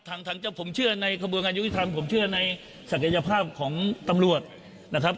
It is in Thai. ทางเจ้าผมเชื่อในกระบวนการยุติธรรมผมเชื่อในศักยภาพของตำรวจนะครับ